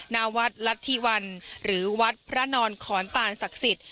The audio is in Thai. ณวัดรัฐธิวันหรือวัดพระนอนขอนตานศักดิ์สิทธิ